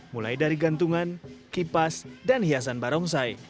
mulai dari gantungan kipas dan hiasan barongsai